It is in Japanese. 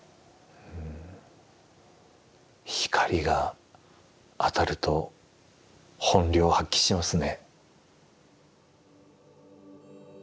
光が当たると本領発揮しますね。